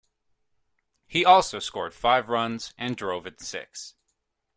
He also scored five runs and drove in six.